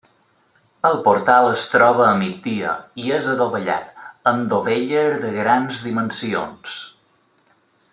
El portal es troba a migdia i és adovellat, amb dovelles de grans dimensions.